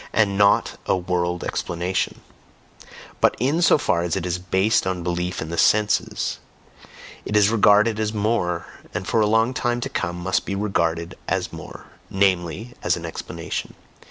and NOT a world explanation; but in so far as it is based on belief in the senses, it is regarded as more, and for a long time to come must be regarded as more namely, as an explanation.